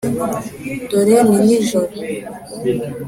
dore! ni nijoro.